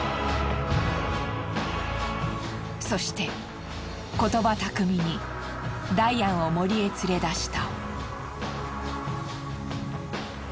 そして言葉たくみにダイアンを森へ連れ出した。